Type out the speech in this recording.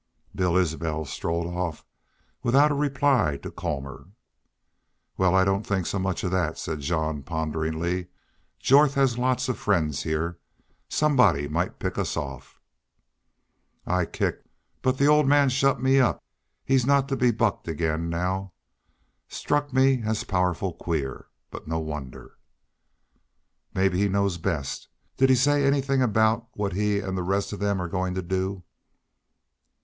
Bill Isbel strode off without a reply to Colmor. "Well, I don't think so much of that," said Jean, ponderingly. "Jorth has lots of friends here. Somebody might pick us off." "I kicked, but the old man shut me up. He's not to be bucked ag'in' now. Struck me as powerful queer. But no wonder." "Maybe he knows best. Did he say anythin' about what he an' the rest of them are goin' to do?"